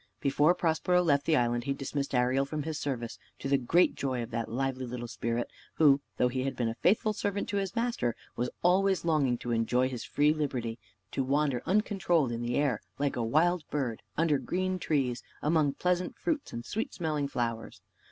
Before Prospero left the island, he dismissed Ariel from his service, to the great joy of that lively little spirit; who, though he had been a faithful servant to his master, was always longing to enjoy his free liberty, to wander uncontrolled in the air, like a wild bird, under green trees, among pleasant fruits, and sweet smelling flowers.